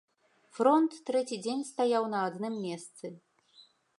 Фронт трэці дзень стаяў на адным месцы.